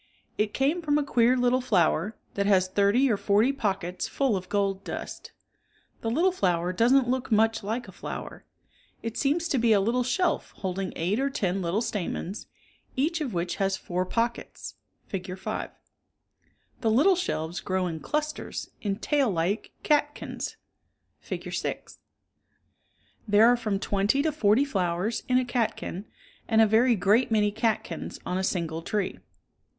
It came from a queer little flower, that has thirty or forty pockets full of gold dust The little flower doesn't look much like a flower. It seems to be a little shelf holding eight or ten little stamens, each of which has four pockets {Fig, 5). The little shelves grow in clusters, in tail like catkins (Fig. 6). There are from twenty to forty flowers in a catkin and a very great many catkins on a single tree.